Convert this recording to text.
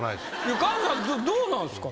川藤さんどうなんすか？